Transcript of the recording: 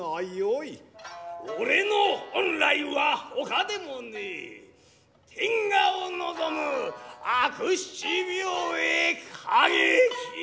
俺の本来はほかでもねえ天下を望む悪七兵衛景清！